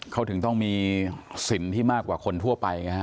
เขาถึงต้องมีสิ่งที่มากกว่าคนทั่วไปไงฮะ